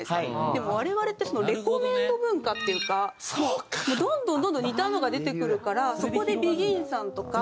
でも我々ってそのレコメンド文化っていうかどんどんどんどん似たのが出てくるからそこでＢＥＧＩＮさんとか。